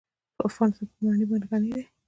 افغانستان په منی غني دی.